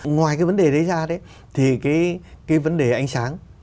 ngoài cái vấn đề đấy ra đấy thì cái vấn đề ánh sáng